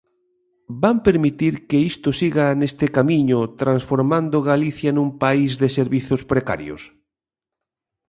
¿Van permitir que isto siga neste camiño, transformando Galicia nun país de servizos precarios?